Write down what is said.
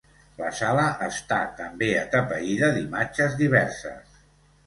La sala està també atapeïda d'imatges diverses.